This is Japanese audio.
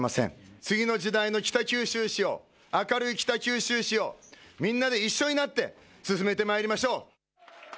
次の時代の北九州市を明るい北九州市をみんなで一緒になって進めてまいりましょう。